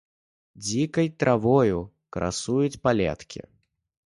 Дзікай травою красуюць палеткі.